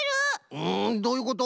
うんどういうこと？